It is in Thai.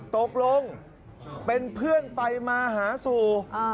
ตกลงเป็นเพื่อนไปมาหาสู่